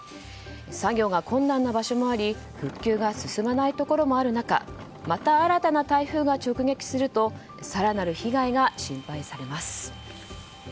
作業が困難な場所もあり復旧が進まないところもある中また、新たな台風が直撃すると更なる被害が心配されます。